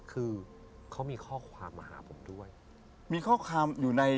คือเขามีข้อความ